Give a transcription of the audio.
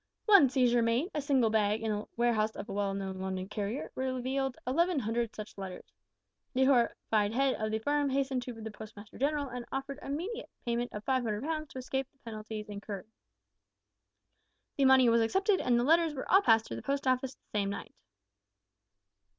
One seizure made, a single bag in the warehouse of a well known London carrier, revealed eleven hundred such letters! The horrified head of the firm hastened to the Postmaster General, and offered immediate payment of 500 pounds to escape the penalties incurred. The money was accepted, and the letters were all passed through the Post Office the same night!